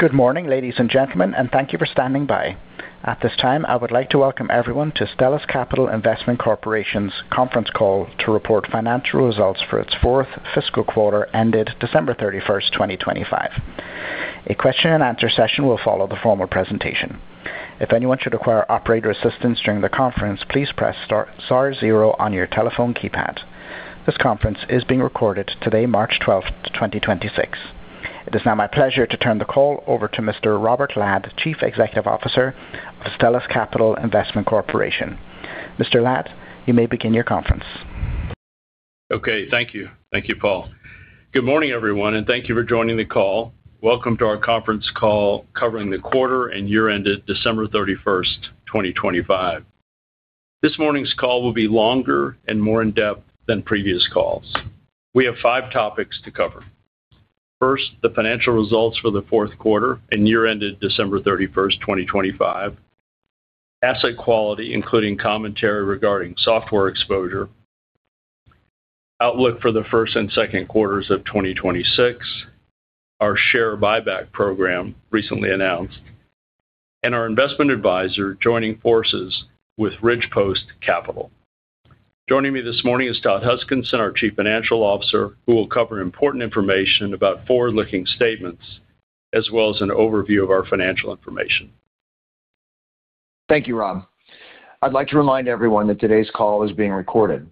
Good morning, ladies and gentlemen, and thank you for standing by. At this time, I would like to welcome everyone to Stellus Capital Investment Corporation's conference call to report financial results for its fourth fiscal quarter ended December 31, 2025. A question and answer session will follow the formal presentation. If anyone should require operator assistance during the conference, please press star-star zero on your telephone keypad. This conference is being recorded today, March 12, 2026. It is now my pleasure to turn the call over to Mr. Robert Ladd, Chief Executive Officer of Stellus Capital Investment Corporation. Mr. Ladd, you may begin your conference. Okay. Thank you. Thank you, Paul. Good morning, everyone, and thank you for joining the call. Welcome to our conference call covering the quarter and year ended December 31, 2025. This morning's call will be longer and more in depth than previous calls. We have five topics to cover. First, the financial results for the fourth quarter and year ended December 31, 2025. Asset quality, including commentary regarding software exposure. Outlook for the first and second quarters of 2026. Our share buyback program recently announced. Our investment advisor joining forces with Ridgepost Capital. Joining me this morning is Todd Huskinson, our Chief Financial Officer, who will cover important information about forward-looking statements as well as an overview of our financial information. Thank you, Rob. I'd like to remind everyone that today's call is being recorded.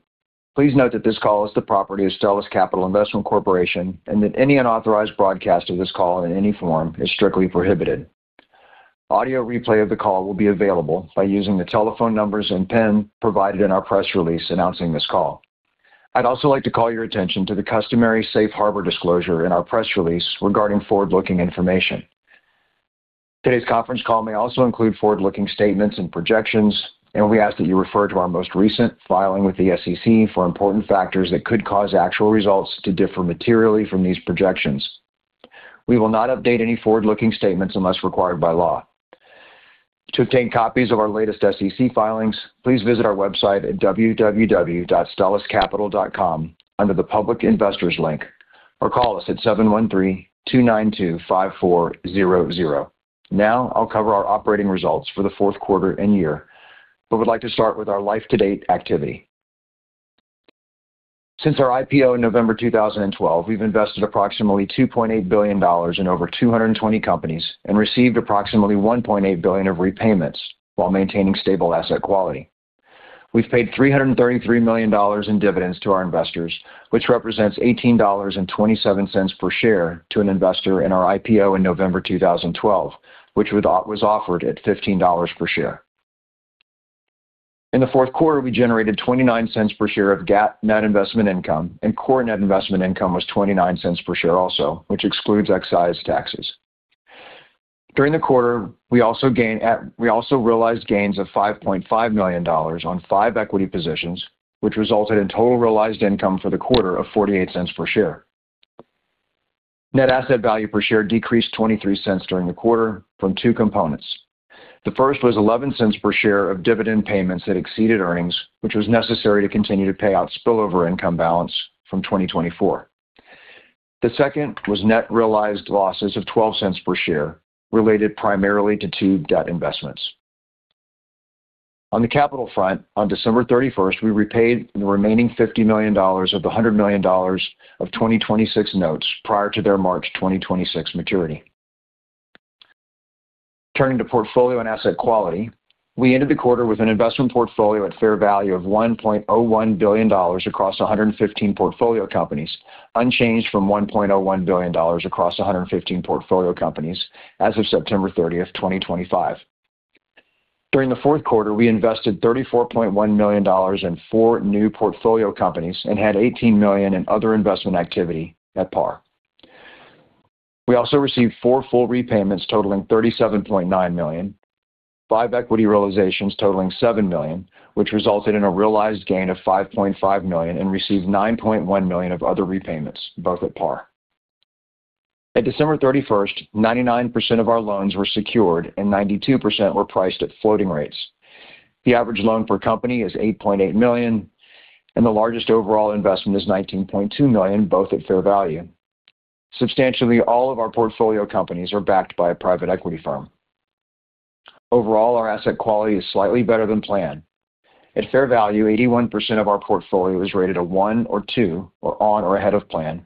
Please note that this call is the property of Stellus Capital Investment Corporation, and that any unauthorized broadcast of this call in any form is strictly prohibited. Audio replay of the call will be available by using the telephone numbers and PIN provided in our press release announcing this call. I'd also like to call your attention to the customary safe harbor disclosure in our press release regarding forward-looking information. Today's conference call may also include forward-looking statements and projections, and we ask that you refer to our most recent filing with the SEC for important factors that could cause actual results to differ materially from these projections. We will not update any forward-looking statements unless required by law. To obtain copies of our latest SEC filings, please visit our website at www.stelluscapital.com under the Public Investors link, or call us at 713-292-5400. Now, I'll cover our operating results for the fourth quarter and year, but would like to start with our life-to-date activity. Since our IPO in November 2012, we've invested approximately $2.8 billion in over 220 companies and received approximately $1.8 billion of repayments while maintaining stable asset quality. We've paid $333 million in dividends to our investors, which represents $18.27 per share to an investor in our IPO in November 2012, which was offered at $15 per share. In the fourth quarter, we generated $0.29 per share of GAAP net investment income, and Core Net Investment Income was $0.29 per share also, which excludes excise taxes. During the quarter, we also realized gains of $5.5 million on five equity positions, which resulted in total realized income for the quarter of $0.48 per share. Net asset value per share decreased $0.23 during the quarter from two components. The first was $0.11 per share of dividend payments that exceeded earnings, which was necessary to continue to pay out spillover income balance from 2024. The second was net realized losses of $0.12 per share related primarily to two debt investments. On the capital front, on December 31st, we repaid the remaining $50 million of the $100 million of 2026 Notes prior to their March 2026 maturity. Turning to portfolio and asset quality. We ended the quarter with an investment portfolio at fair value of $1.01 billion across 115 portfolio companies, unchanged from $1.01 billion across 115 portfolio companies as of September 30, 2025. During the fourth quarter, we invested $34.1 million in four new portfolio companies and had $18 million in other investment activity at par. We also received four full repayments totaling $37.9 million, five equity realizations totaling $7 million, which resulted in a realized gain of $5.5 million and received $9.1 million of other repayments, both at par. At December 31st, 99% of our loans were secured and 92% were priced at floating rates. The average loan per company is $8.8 million, and the largest overall investment is $19.2 million, both at fair value. Substantially all of our portfolio companies are backed by a private equity firm. Overall, our asset quality is slightly better than planned. At fair value, 81% of our portfolio is rated one or two or on or ahead of plan,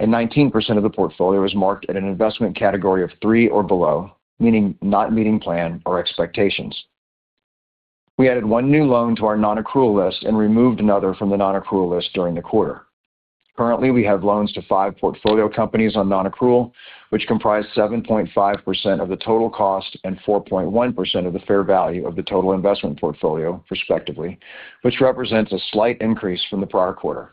and 19% of the portfolio is marked at an investment category of three or below, meaning not meeting plan or expectations. We added one new loan to our non-accrual list and removed another from the non-accrual list during the quarter. Currently, we have loans to five portfolio companies on non-accrual, which comprise 7.5% of the total cost and 4.1% of the fair value of the total investment portfolio, respectively, which represents a slight increase from the prior quarter.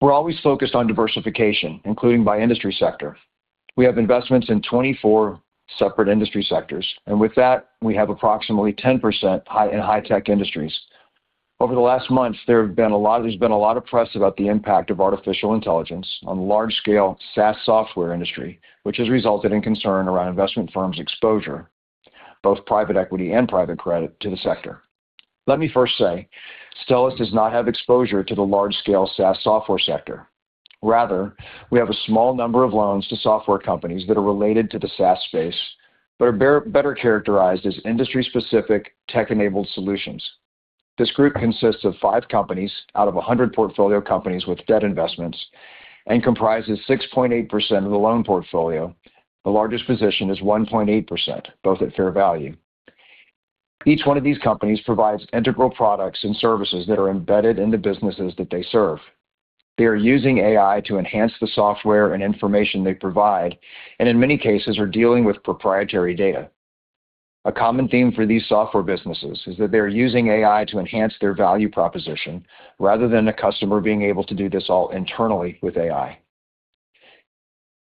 We're always focused on diversification, including by industry sector. We have investments in 24 separate industry sectors, and with that, we have approximately 10% in high-tech industries. Over the last months, there's been a lot of press about the impact of artificial intelligence on large-scale SaaS software industry, which has resulted in concern around investment firms' exposure. Both private equity and private credit to the sector. Let me first say, Stellus does not have exposure to the large-scale SaaS software sector. Rather, we have a small number of loans to software companies that are related to the SaaS space, but are better characterized as industry-specific tech-enabled solutions. This group consists of five companies out of 100 portfolio companies with debt investments and comprises 6.8% of the loan portfolio. The largest position is 1.8%, both at fair value. Each one of these companies provides integral products and services that are embedded in the businesses that they serve. They are using AI to enhance the software and information they provide, and in many cases, are dealing with proprietary data. A common theme for these software businesses is that they are using AI to enhance their value proposition rather than the customer being able to do this all internally with AI.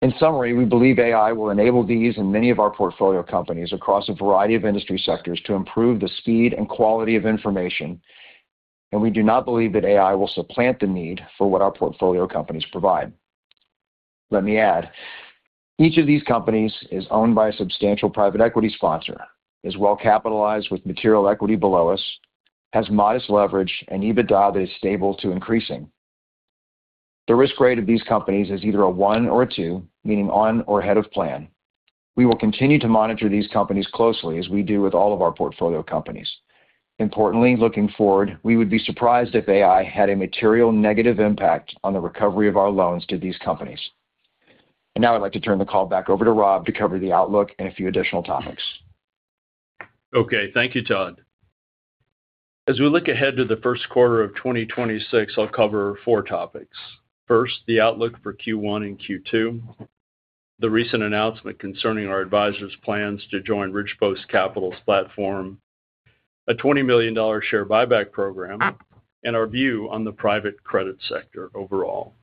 In summary, we believe AI will enable these and many of our portfolio companies across a variety of industry sectors to improve the speed and quality of information, and we do not believe that AI will supplant the need for what our portfolio companies provide. Let me add, each of these companies is owned by a substantial private equity sponsor, is well-capitalized with material equity below us, has modest leverage and EBITDA that is stable to increasing. The risk rate of these companies is either a one or a two, meaning on or ahead of plan. We will continue to monitor these companies closely, as we do with all of our portfolio companies. Importantly, looking forward, we would be surprised if AI had a material negative impact on the recovery of our loans to these companies. Now I'd like to turn the call back over to Rob to cover the outlook and a few additional topics. Okay. Thank you, Todd. As we look ahead to the first quarter of 2026, I'll cover four topics. First, the outlook for Q1 and Q2. The recent announcement concerning our advisors' plans to join Ridgepost Capital's platform. A $20 million share buyback program. And our view on the private credit sector overall.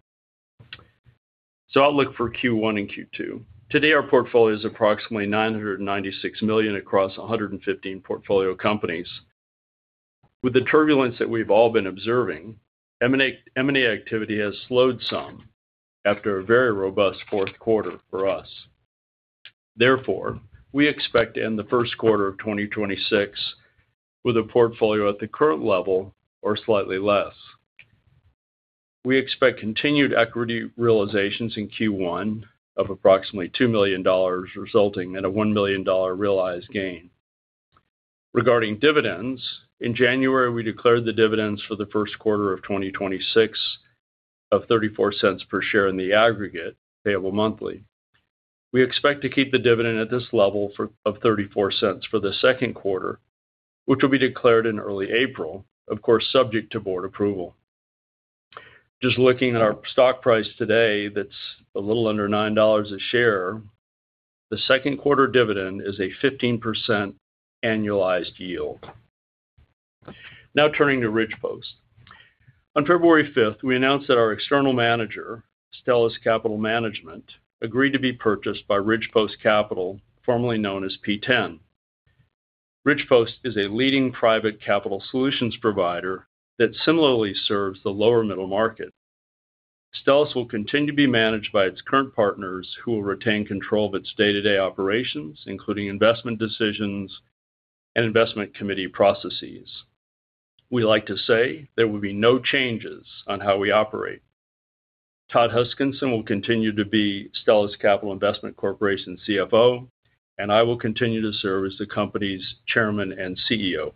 Outlook for Q1 and Q2. Today, our portfolio is approximately $996 million across 115 portfolio companies. With the turbulence that we've all been observing, M&A activity has slowed some after a very robust fourth quarter for us. Therefore, we expect to end the first quarter of 2026 with a portfolio at the current level or slightly less. We expect continued equity realizations in Q1 of approximately $2 million, resulting in a $1 million realized gain. Regarding dividends, in January, we declared the dividends for the first quarter of 2026 of $0.34 per share in the aggregate, payable monthly. We expect to keep the dividend at this level of $0.34 for the second quarter, which will be declared in early April, of course, subject to board approval. Just looking at our stock price today, that's a little under $9 a share. The second quarter dividend is a 15% annualized yield. Now turning to Ridgepost. On February 5th, we announced that our external manager, Stellus Capital Management, agreed to be purchased by Ridgepost Capital, formerly known as P10. Ridgepost is a leading private markets solutions provider that similarly serves the lower middle market. Stellus will continue to be managed by its current partners who will retain control of its day-to-day operations, including investment decisions and investment committee processes. We like to say there will be no changes on how we operate. Todd Huskinson will continue to be Stellus Capital Investment Corporation's CFO, and I will continue to serve as the company's Chairman and CEO.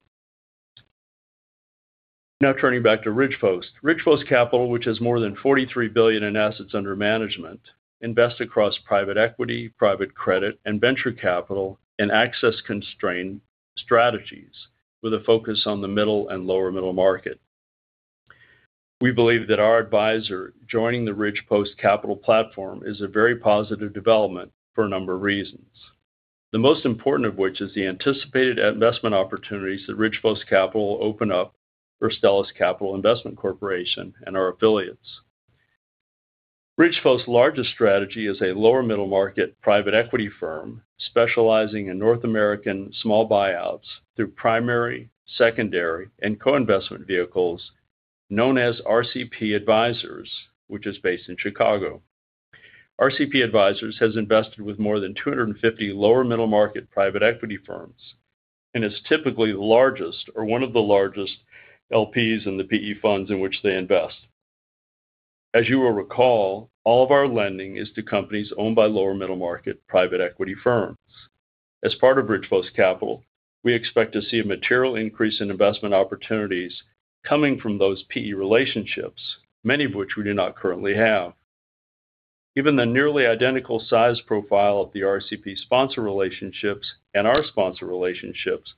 Now turning back to Ridgepost. Ridgepost Capital, which has more than $43 billion in assets under management, invest across private equity, private credit, and venture capital in access-constrained strategies with a focus on the middle and lower middle market. We believe that our advisor joining the Ridgepost Capital platform is a very positive development for a number of reasons. The most important of which is the anticipated investment opportunities that Ridgepost Capital will open up for Stellus Capital Investment Corporation and our affiliates. Ridgepost's largest strategy is a lower middle-market private equity firm specializing in North American small buyouts through primary, secondary, and co-investment vehicles known as RCP Advisors, which is based in Chicago. RCP Advisors has invested with more than 250 lower middle-market private equity firms, and is typically the largest or one of the largest LPs in the PE funds in which they invest. As you will recall, all of our lending is to companies owned by lower middle-market private equity firms. As part of Ridgepost Capital, we expect to see a material increase in investment opportunities coming from those PE relationships, many of which we do not currently have. Given the nearly identical size profile of the RCP sponsor relationships and our sponsor relationships,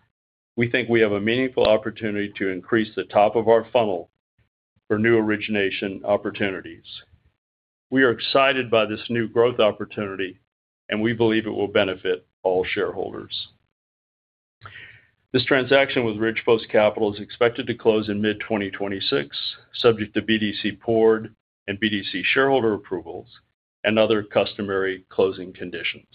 we think we have a meaningful opportunity to increase the top of our funnel for new origination opportunities. We are excited by this new growth opportunity, and we believe it will benefit all shareholders. This transaction with Ridgepost Capital is expected to close in mid-2026, subject to BDC board and BDC shareholder approvals, and other customary closing conditions.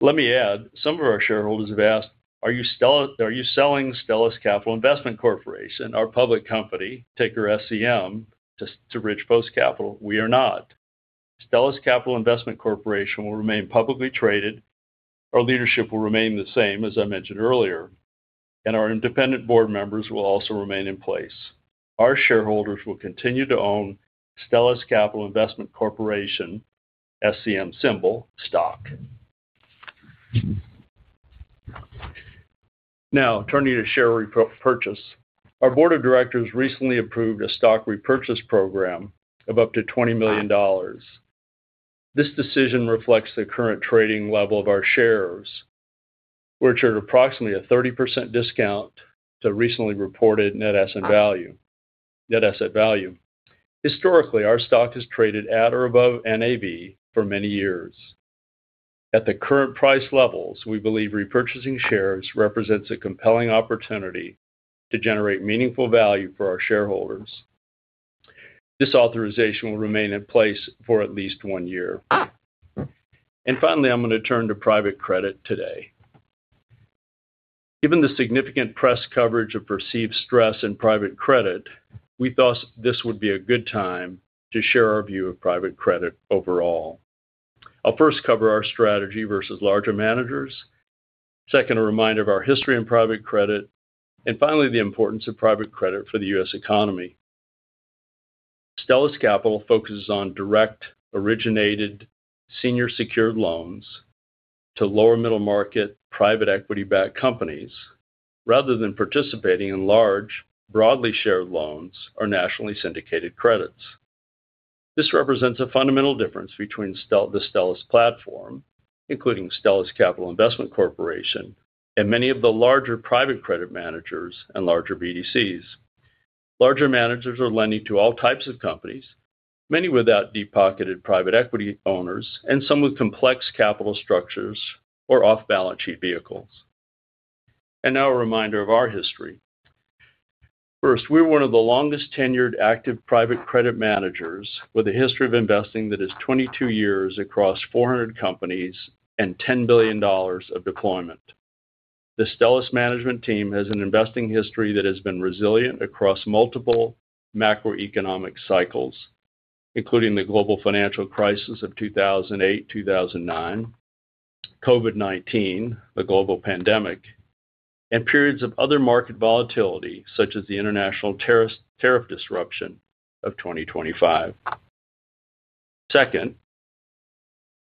Let me add, some of our shareholders have asked, "Are you selling Stellus Capital Investment Corporation, our public company, ticker SCM, to Ridgepost Capital?" We are not. Stellus Capital Investment Corporation will remain publicly traded. Our leadership will remain the same, as I mentioned earlier, and our independent board members will also remain in place. Our shareholders will continue to own Stellus Capital Investment Corporation, SCM symbol, stock. Now, turning to share repurchase. Our board of directors recently approved a stock repurchase program of up to $20 million. This decision reflects the current trading level of our shares, which are at approximately a 30% discount to recently reported net asset value. Historically, our stock has traded at or above NAV for many years. At the current price levels, we believe repurchasing shares represents a compelling opportunity to generate meaningful value for our shareholders. This authorization will remain in place for at least one year. Finally, I'm going to turn to private credit today. Given the significant press coverage of perceived stress in private credit, we thought this would be a good time to share our view of private credit overall. I'll first cover our strategy versus larger managers. Second, a reminder of our history in private credit. Finally, the importance of private credit for the US economy. Stellus Capital focuses on direct, originated, senior secured loans to lower middle market private equity-backed companies rather than participating in large, broadly shared loans or nationally syndicated credits. This represents a fundamental difference between the Stellus platform, including Stellus Capital Investment Corporation, and many of the larger private credit managers and larger BDCs. Larger managers are lending to all types of companies, many without deep-pocketed private equity owners and some with complex capital structures or off-balance sheet vehicles. Now a reminder of our history. First, we're one of the longest-tenured active private credit managers with a history of investing that is 22 years across 400 companies and $10 billion of deployment. The Stellus management team has an investing history that has been resilient across multiple macroeconomic cycles, including the global financial crisis of 2008-2009, COVID-19, the global pandemic, and periods of other market volatility, such as the international tariff disruption of 2025. Second,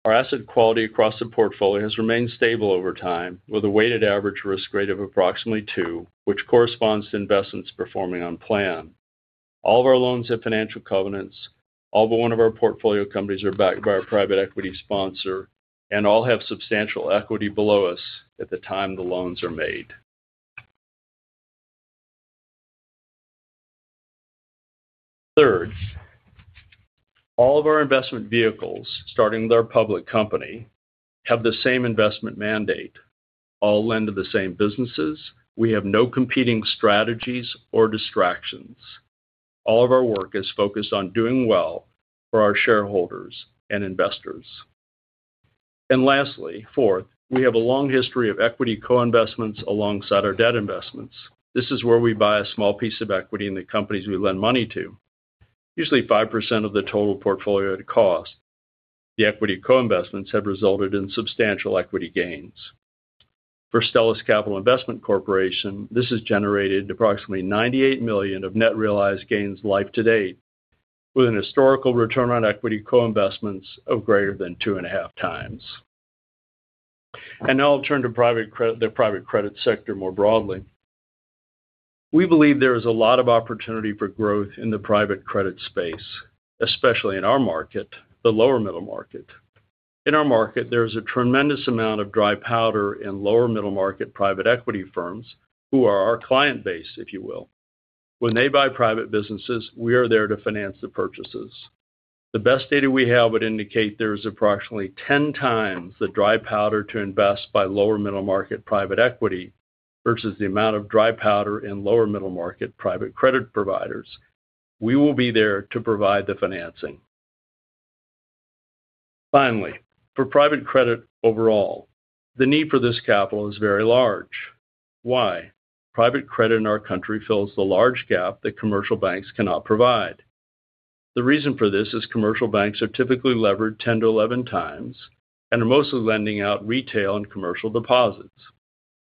our asset quality across the portfolio has remained stable over time with a weighted average risk rate of approximately two, which corresponds to investments performing on plan. All of our loans have financial covenants. All but one of our portfolio companies are backed by our private equity sponsor and all have substantial equity below us at the time the loans are made. Third, all of our investment vehicles, starting with our public company, have the same investment mandate, all lend to the same businesses. We have no competing strategies or distractions. All of our work is focused on doing well for our shareholders and investors. Lastly, fourth, we have a long history of equity co-investments alongside our debt investments. This is where we buy a small piece of equity in the companies we lend money to, usually 5% of the total portfolio at cost. The equity co-investments have resulted in substantial equity gains. For Stellus Capital Investment Corporation, this has generated approximately $98 million of net realized gains life to date with an historical return on equity co-investments of greater than 2.5x. Now I'll turn to the private credit sector more broadly. We believe there is a lot of opportunity for growth in the private credit space, especially in our market, the lower middle market. In our market, there is a tremendous amount of dry powder in lower middle market private equity firms who are our client base, if you will. When they buy private businesses, we are there to finance the purchases. The best data we have would indicate there is approximately 10x the dry powder to invest by lower middle market private equity versus the amount of dry powder in lower middle market private credit providers. We will be there to provide the financing. Finally, for private credit overall, the need for this capital is very large. Why? Private credit in our country fills the large gap that commercial banks cannot provide. The reason for this is commercial banks are typically levered 10-11x and are mostly lending out retail and commercial deposits.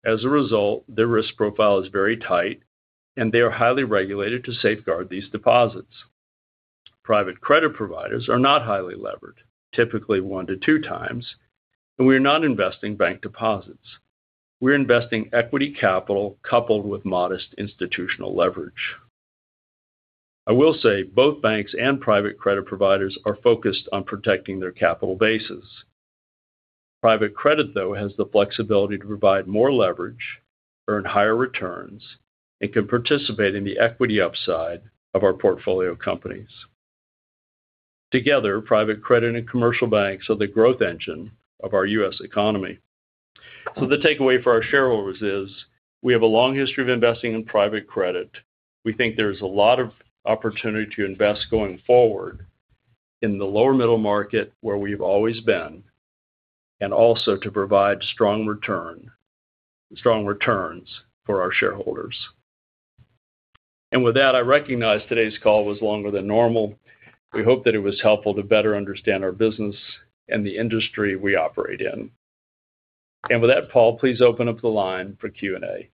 As a result, their risk profile is very tight and they are highly regulated to safeguard these deposits. Private credit providers are not highly levered, typically 1-2x, and we are not investing bank deposits. We are investing equity capital coupled with modest institutional leverage. I will say both banks and private credit providers are focused on protecting their capital bases. Private credit, though, has the flexibility to provide more leverage, earn higher returns, and can participate in the equity upside of our portfolio companies. Together, private credit and commercial banks are the growth engine of our US economy. The takeaway for our shareholders is we have a long history of investing in private credit. We think there is a lot of opportunity to invest going forward in the lower middle market where we've always been and also to provide strong return, strong returns for our shareholders. With that, I recognize today's call was longer than normal. We hope that it was helpful to better understand our business and the industry we operate in. With that, Paul, please open up the line for Q&A.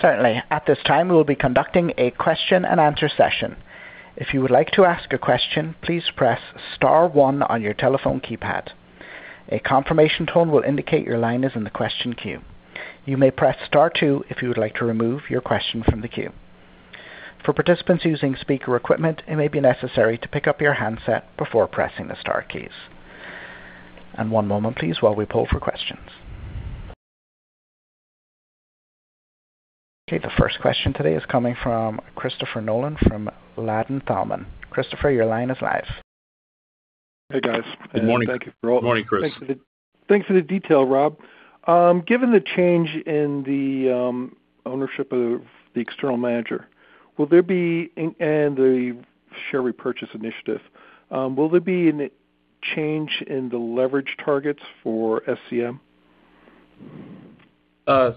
Certainly. At this time, we will be conducting a question-and-answer session. If you would like to ask a question, please press star one on your telephone keypad. A confirmation tone will indicate your line is in the question queue. You may press star two if you would like to remove your question from the queue. For participants using speaker equipment, it may be necessary to pick up your handset before pressing the star keys. One moment please while we poll for questions. Okay. The first question today is coming from Christopher Nolan from Ladenburg Thalmann. Christopher, your line is live. Hey, guys. Good morning. Good morning, Chris. Thanks for the detail, Rob. Given the change in the ownership of the external manager and the share repurchase initiative, will there be any change in the leverage targets for SCM?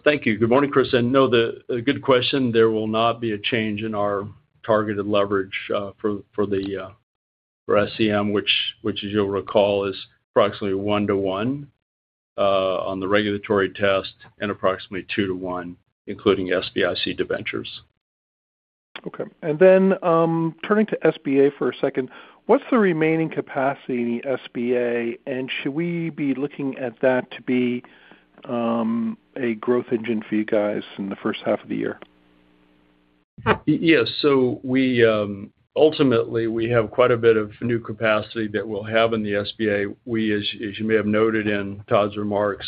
Thank you. Good morning, Chris. No, a good question. There will not be a change in our targeted leverage for SCM, which you'll recall is approximately 1:1 on the regulatory test and approximately 2:1, including SBIC debentures. Okay. Turning to SBA for a second, what's the remaining capacity in the SBA? Should we be looking at that to be a growth engine for you guys in the first half of the year? Yes. We ultimately have quite a bit of new capacity that we'll have in the SBA. We, as you may have noted in Todd's remarks,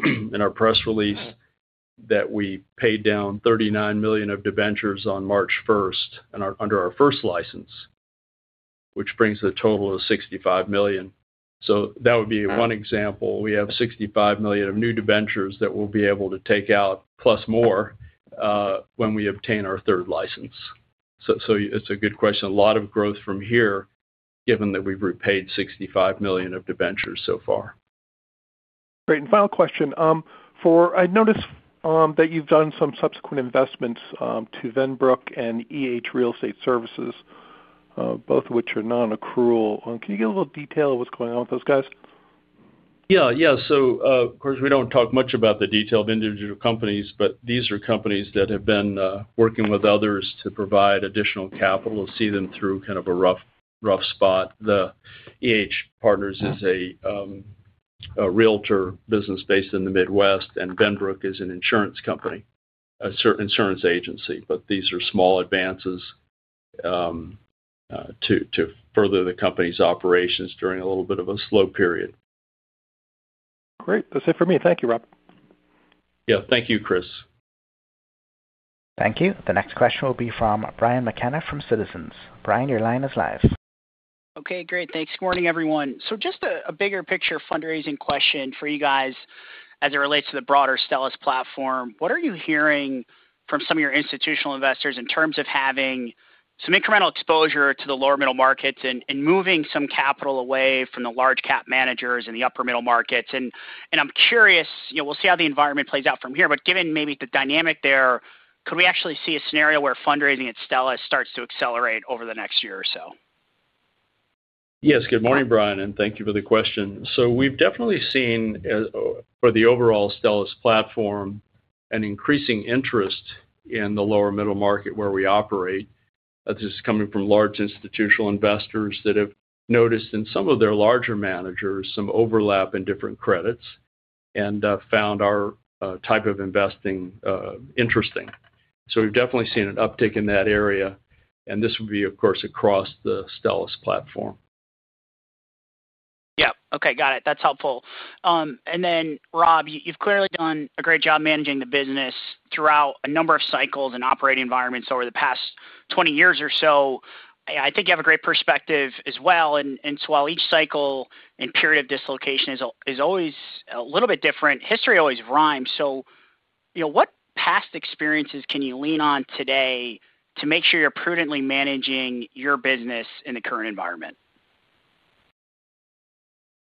in our press release that we paid down $39 million of debentures on March first under our first license, which brings the total to $65 million. That would be one example. We have $65 million of new debentures that we'll be able to take out plus more when we obtain our third license. It's a good question. A lot of growth from here, given that we've repaid $65 million of debentures so far. Great. Final question. I noticed that you've done some subsequent investments to Venbrook and EH Real Estate Services, both of which are non-accrual. Can you give a little detail of what's going on with those guys? Of course, we don't talk much about the detail of individual companies, but these are companies that have been working with others to provide additional capital to see them through kind of a rough spot. EH Real Estate Services, LLC is a realtor business based in the Midwest, and Vennbrook is an insurance company, an insurance agency. These are small advances to further the company's operations during a little bit of a slow period. Great. That's it for me. Thank you, Rob. Yeah. Thank you, Chris. Thank you. The next question will be from Brian McKenna from Citizens. Brian, your line is live. Okay, great. Thanks. Morning, everyone. Just a bigger picture fundraising question for you guys as it relates to the broader Stellus platform. What are you hearing from some of your institutional investors in terms of having some incremental exposure to the lower middle markets and moving some capital away from the large cap managers in the upper middle markets? I'm curious, you know, we'll see how the environment plays out from here, but given maybe the dynamic there, could we actually see a scenario where fundraising at Stellus starts to accelerate over the next year or so? Yes. Good morning, Brian, and thank you for the question. We've definitely seen for the overall Stellus platform an increasing interest in the lower middle market where we operate. This is coming from large institutional investors that have noticed in some of their larger managers some overlap in different credits and found our type of investing interesting. We've definitely seen an uptick in that area. This would be, of course, across the Stellus platform. Yeah. Okay, got it. That's helpful. Rob, you've clearly done a great job managing the business throughout a number of cycles and operating environments over the past 20 years or so. I think you have a great perspective as well. While each cycle and period of dislocation is always a little bit different, history always rhymes. You know, what past experiences can you lean on today to make sure you're prudently managing your business in the current environment?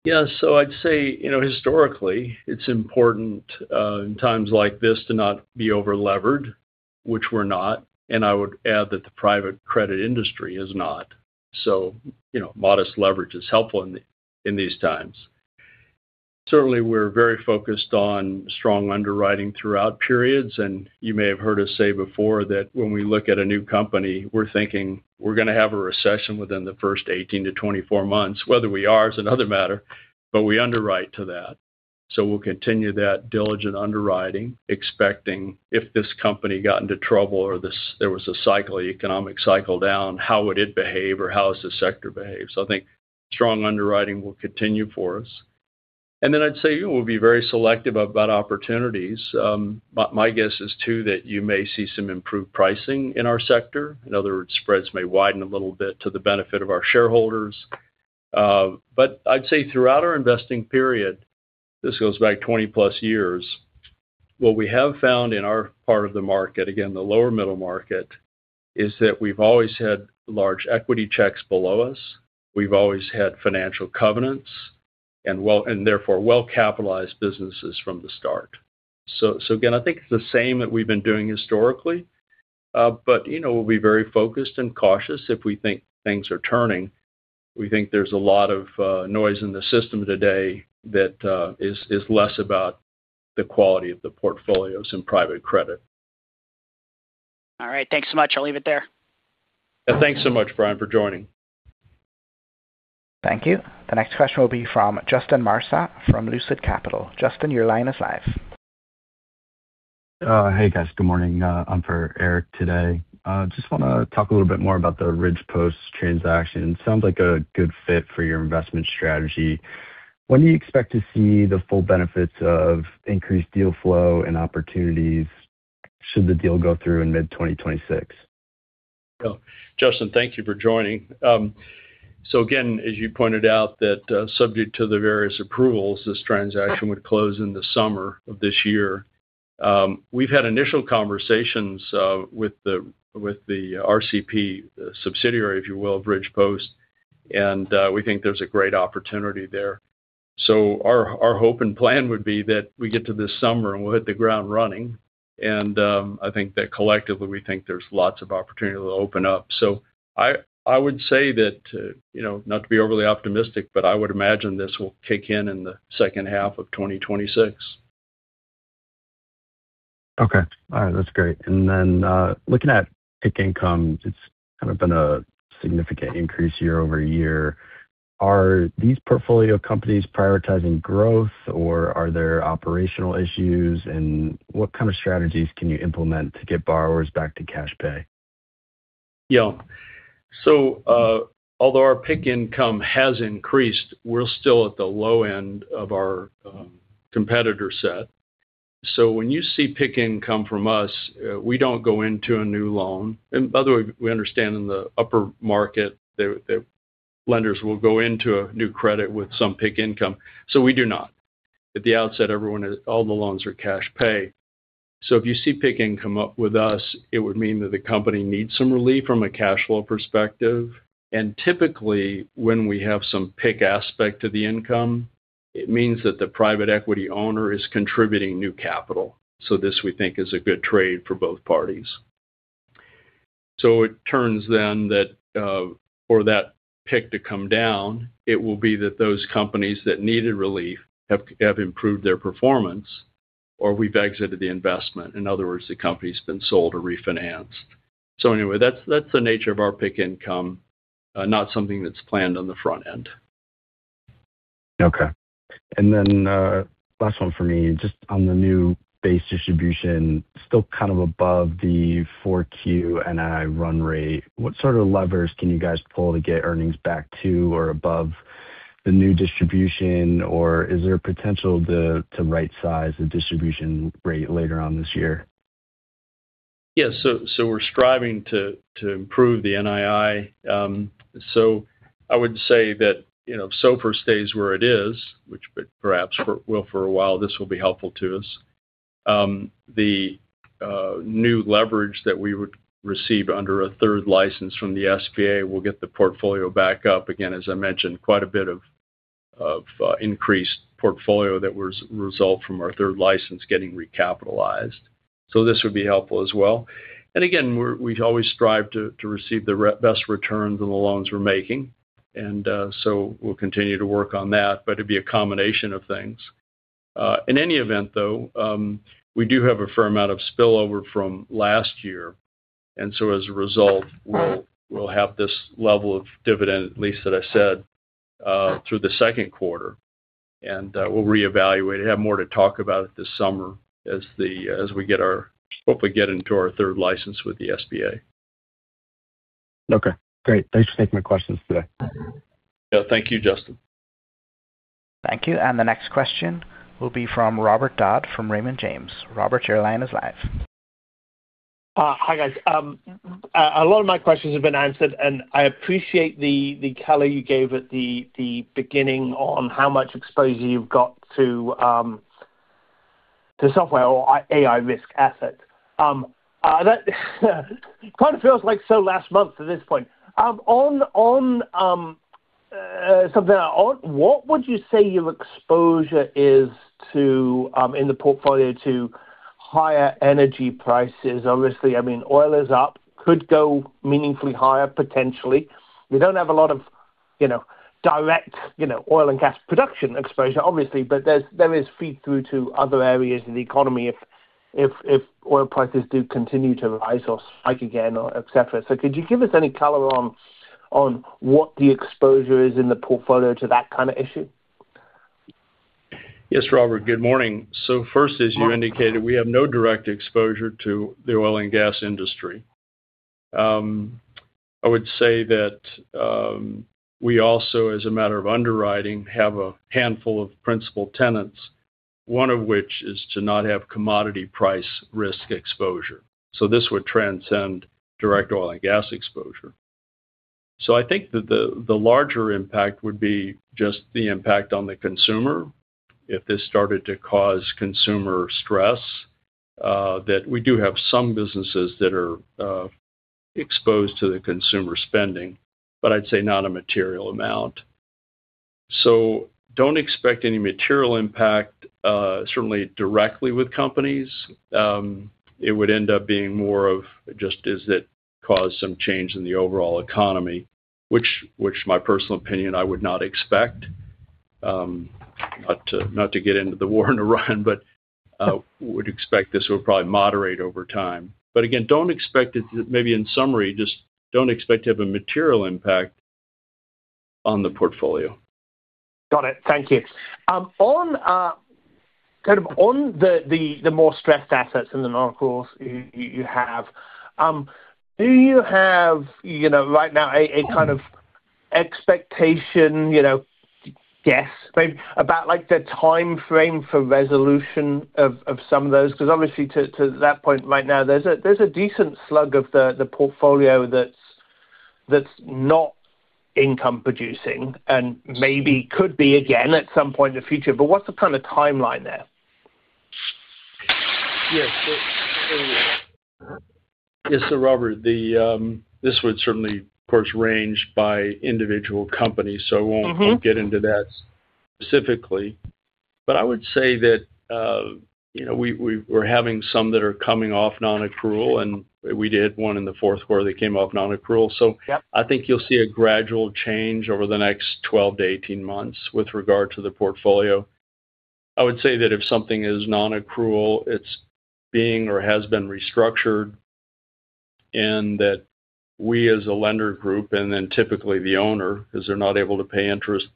Yeah. I'd say, you know, historically, it's important in times like this to not be over-levered, which we're not. I would add that the private credit industry is not. You know, modest leverage is helpful in these times. Certainly, we're very focused on strong underwriting throughout periods. You may have heard us say before that when we look at a new company, we're thinking we're gonna have a recession within the first 18-24 months. Whether we are is another matter, but we underwrite to that. We'll continue that diligent underwriting, expecting if this company got into trouble or there was a cycle, economic cycle down, how would it behave or how does the sector behave? I think strong underwriting will continue for us. Then I'd say we'll be very selective about opportunities. My guess is too that you may see some improved pricing in our sector. In other words, spreads may widen a little bit to the benefit of our shareholders. But I'd say throughout our investing period, this goes back 20+ years, what we have found in our part of the market, again, the lower middle market, is that we've always had large equity checks below us. We've always had financial covenants and therefore well-capitalized businesses from the start. Again, I think it's the same that we've been doing historically, but you know, we'll be very focused and cautious if we think things are turning. We think there's a lot of noise in the system today that is less about the quality of the portfolios in private credit. All right. Thanks so much. I'll leave it there. Thanks so much, Brian, for joining. Thank you. The next question will be from Justin Marca from Lucid Capital. Justin, your line is live. Hey, guys. Good morning. I'm in for Eric today. Just wanna talk a little bit more about the Ridgepost transaction. Sounds like a good fit for your investment strategy. When do you expect to see the full benefits of increased deal flow and opportunities should the deal go through in mid-2026? Justin, thank you for joining. Again, as you pointed out that, subject to the various approvals, this transaction would close in the summer of this year. We've had initial conversations with the RCP subsidiary, if you will, of Ridgepost, and we think there's a great opportunity there. Our hope and plan would be that we get to this summer, and we'll hit the ground running. I think that collectively, we think there's lots of opportunity to open up. I would say that, you know, not to be overly optimistic, but I would imagine this will kick in in the second half of 2026. Okay. All right. That's great. Looking at PIK income, it's kind of been a significant increase year over year. Are these portfolio companies prioritizing growth, or are there operational issues? What kind of strategies can you implement to get borrowers back to cash pay? Although our PIK income has increased, we're still at the low end of our competitor set. When you see PIK income from us, we don't go into a new loan. By the way, we understand in the upper market that lenders will go into a new credit with some PIK income. We do not. At the outset, all the loans are cash pay. If you see PIK income up with us, it would mean that the company needs some relief from a cash flow perspective. Typically, when we have some PIK aspect to the income, it means that the private equity owner is contributing new capital. This we think is a good trade for both parties. It turns out then that for that PIK to come down, it will be that those companies that needed relief have improved their performance, or we've exited the investment. In other words, the company's been sold or refinanced. Anyway, that's the nature of our PIK income, not something that's planned on the front end. Okay. Last one for me, just on the new base distribution, still kind of above the 4Q NII run rate. What sort of levers can you guys pull to get earnings back to or above the new distribution? Or is there potential to right-size the distribution rate later on this year? Yes. We're striving to improve the NII. I would say that, you know, SOFR stays where it is, which perhaps for a while, this will be helpful to us. The new leverage that we would receive under a third license from the SBA will get the portfolio back up. Again, as I mentioned, quite a bit of increased portfolio that was result from our third license getting recapitalized. This would be helpful as well. Again, we always strive to receive the best returns on the loans we're making. We'll continue to work on that, but it'd be a combination of things. In any event, though, we do have a fair amount of spillover from last year. As a result, we'll have this level of dividend, at least that I said, through the second quarter. We'll reevaluate. We'll have more to talk about it this summer as we hopefully get our third license with the SBA. Okay, great. Thanks for taking my questions today. Yeah. Thank you, Justin. Thank you. The next question will be from Robert Dodd from Raymond James. Robert, your line is live. Hi, guys. A lot of my questions have been answered, and I appreciate the color you gave at the beginning on how much exposure you've got to software or AI risk assets. That kind of feels like so last month at this point. On what would you say your exposure is to in the portfolio to higher energy prices? Obviously, I mean, oil is up, could go meaningfully higher, potentially. We don't have a lot of, you know, direct, you know, oil and gas production exposure, obviously, but there's feed through to other areas of the economy if oil prices do continue to rise or spike again or etcetera. Could you give us any color on what the exposure is in the portfolio to that kind of issue? Yes, Robert. Good morning. First, as you indicated, we have no direct exposure to the oil and gas industry. I would say that we also, as a matter of underwriting, have a handful of principal tenets, one of which is to not have commodity price risk exposure. This would transcend direct oil and gas exposure. I think that the larger impact would be just the impact on the consumer if this started to cause consumer stress, that we do have some businesses that are exposed to the consumer spending, but I'd say not a material amount. Don't expect any material impact, certainly directly with companies. It would end up being more of just does that cause some change in the overall economy? Which my personal opinion, I would not expect. Not to get into the war in Iran, but would expect this would probably moderate over time. Again, don't expect it to. Maybe in summary, just don't expect to have a material impact on the portfolio. Got it. Thank you. On the more stressed assets in the non-accrual you have, do you have, you know, right now a kind of expectation, you know, guess maybe about like the timeframe for resolution of some of those? Because obviously to that point right now, there's a decent slug of the portfolio that's not income producing and maybe could be again at some point in the future. What's the kind of timeline there? Yes, Robert, this would certainly of course range by individual company. Mm-hmm. I won't get into that specifically. I would say that, you know, we're having some that are coming off non-accrual, and we did one in the fourth quarter that came off non-accrual. Yep. I think you'll see a gradual change over the next 12-18 months with regard to the portfolio. I would say that if something is non-accrual, it's being or has been restructured, and that we as a lender group and then typically the owner, because they're not able to pay interest,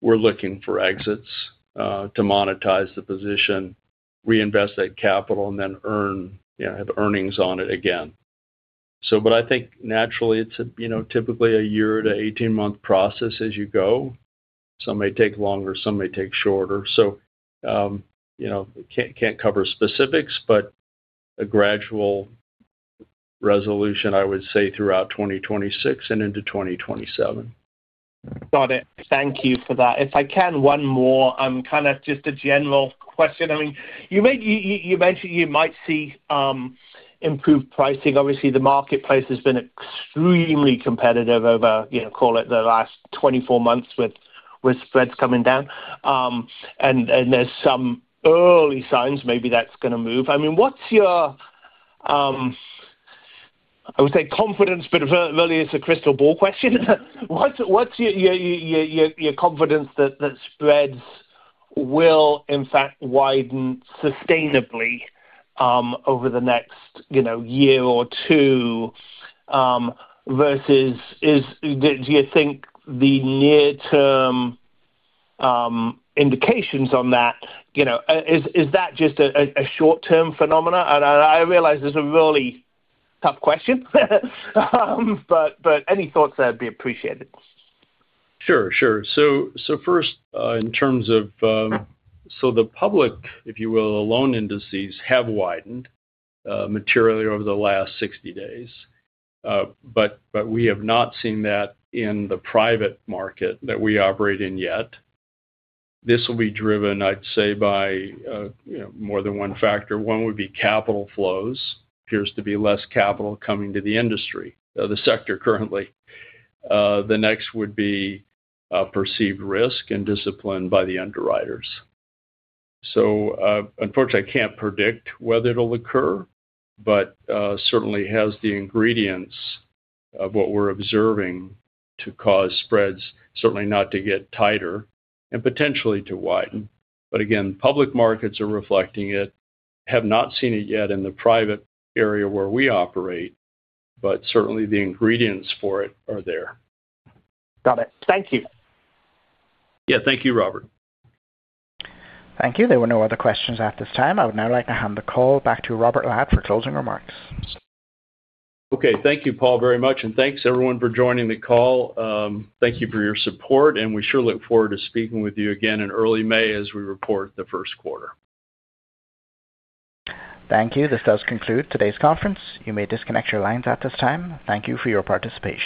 we're looking for exits to monetize the position, reinvest that capital and then earn, you know, have earnings on it again. I think naturally it's, you know, typically a year to 18-month process as you go. Some may take longer, some may take shorter. You know, can't cover specifics, but a gradual resolution, I would say, throughout 2026 and into 2027. Got it. Thank you for that. If I can, one more kind of just a general question. I mean, you mentioned you might see improved pricing. Obviously, the marketplace has been extremely competitive over, you know, call it the last 24 months with spreads coming down. And there's some early signs maybe that's gonna move. I mean, what's your confidence, but really it's a crystal ball question. What's your confidence that spreads will in fact widen sustainably over the next, you know, year or two versus do you think the near term indications on that, you know, is that just a short-term phenomenon? I realize this is a really tough question, but any thoughts there would be appreciated. Sure. First, in terms of the public, if you will, loan indices have widened materially over the last 60 days, but we have not seen that in the private market that we operate in yet. This will be driven, I'd say, by you know, more than one factor. One would be capital flows. Appears to be less capital coming to the industry, the sector currently. The next would be perceived risk and discipline by the underwriters. Unfortunately, I can't predict whether it'll occur, but certainly has the ingredients of what we're observing to cause spreads, certainly not to get tighter and potentially to widen. Public markets are reflecting it. Have not seen it yet in the private area where we operate, but certainly the ingredients for it are there. Got it. Thank you. Yeah. Thank you, Robert. Thank you. There were no other questions at this time. I would now like to hand the call back to Robert Ladd for closing remarks. Okay. Thank you, Paul, very much, and thanks everyone for joining the call. Thank you for your support, and we sure look forward to speaking with you again in early May as we report the first quarter. Thank you. This does conclude today's conference. You may disconnect your lines at this time. Thank you for your participation.